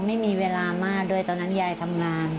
ไม่มีเวลามากด้วยตอนนั้นยายทำงาน